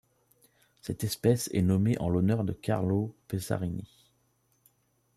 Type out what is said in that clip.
Cette espèce est nommée en l'honneur de Carlo Pesarini.